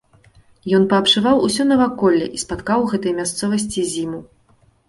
Ён паабшываў усё наваколле і спаткаў у гэтай мясцовасці зіму.